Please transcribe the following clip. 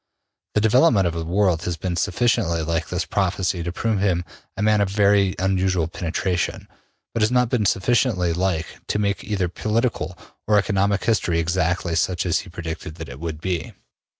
The development of the world has been sufficiently like his prophecy to prove him a man of very unusual penetration, but has not been sufficiently like to make either political or economic history exactly such as he predicted that it would be.